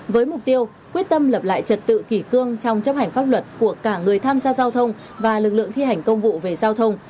với mục tiêu quyết tâm lập lại trật tự kỷ cương trong chấp hành pháp luật của cả người tham gia giao thông và lực lượng thi hành công vụ về giao thông